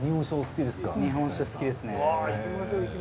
日本酒お好きですか？